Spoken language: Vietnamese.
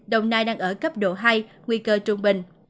đồng nai đang ở cấp độ hai nguy cơ trung bình